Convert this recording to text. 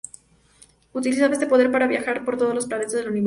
Utilizaba este poder para viajar por todos los planetas del universo.